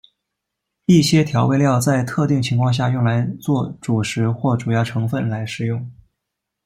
一些调味料在特定情况下用来作主食或主要成分来食用。